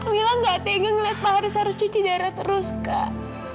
wila gak tinggal ngeliat pak haris harus cuci darah terus kak